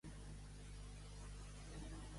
Bon sastre, que coneix el panyo.